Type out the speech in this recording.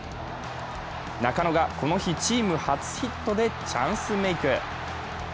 中野がこの日、チーム初ヒットでチャンスメイク。